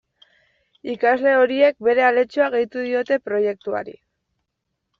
Ikasle horiek bere aletxoa gehitu diote proiektuari.